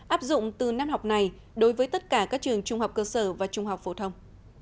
áp dụng từ năm học này đối với tất cả các trường trung học cơ sở và trung học phổ thông